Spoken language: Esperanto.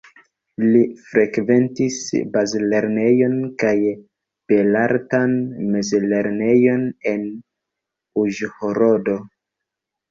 Li frekventis bazlernejon kaj belartan mezlernejon en Uĵhorodo.